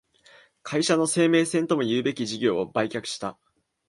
会社の生命線ともいうべき事業を売却した